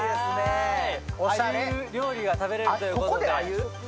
鮎料理が食べれるということで。